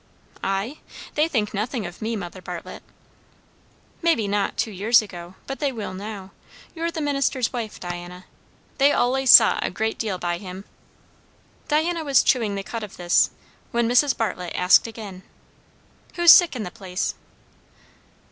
"I? They think nothing of me, Mother Bartlett." "Maybe not, two years ago, but they will now. You're the minister's wife, Diana. They allays sot a great deal by him." Diana was chewing the cud of this, when Mrs. Bartlett asked again, "Who's sick in the place?"